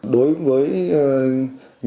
đối với những người